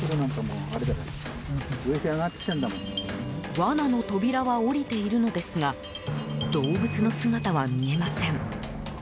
罠の扉は下りているのですが動物の姿は見えません。